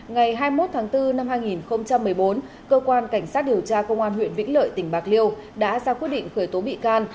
ngày hai mươi một tháng bốn năm hai nghìn một mươi bốn cơ quan cảnh sát điều tra công an huyện vĩnh lợi tỉnh bạc liêu đã ra quyết định khởi tố bị can